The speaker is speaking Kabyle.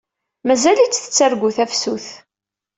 Mazal-itt tettargu tafsut.